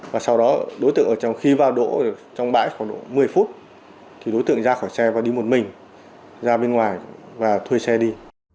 và sau đó đối tượng khi vào đỗ trong bãi khoảng một mươi phút thì đối tượng ra khỏi xe và đi một mình ra bên ngoài và thuê xe đi